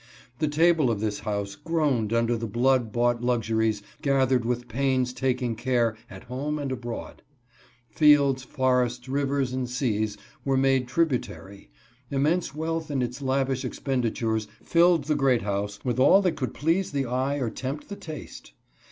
The table of this house groaned under the blood bought luxuries gathered with pains taking care at home and abroad. Fields, forests, rivers, and seas were made tributary. Immense wealth and its lavish expen ditures filled the Great House with all that could please the eye or tempt the taste.